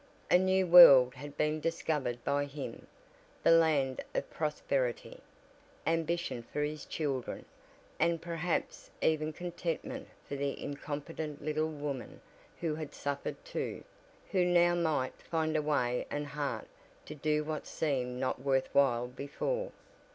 A new world had been discovered by him the land of prosperity; ambition for his children, and perhaps even contentment for the incompetent little woman who had suffered too, and who now might find a way and heart to do what seemed not worth while before.